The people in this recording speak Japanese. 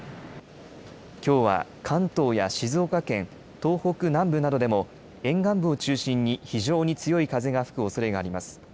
きょうは関東や静岡県、東北南部などでも沿岸部を中心に非常に強い風が吹くおそれがあります。